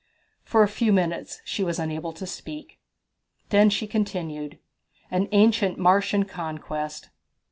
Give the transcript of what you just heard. For a few minutes she was unable to speak. Then she continued: An Ancient Martian Conquest.